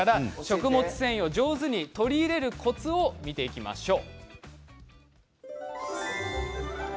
食物繊維を上手にとり入れるコツを見ていきましょう。